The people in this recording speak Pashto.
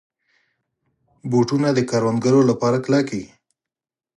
بوټونه د کروندګرو لپاره کلک وي.